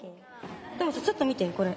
でもさちょっと見てこれ。